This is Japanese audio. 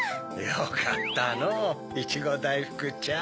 よかったのういちごだいふくちゃん。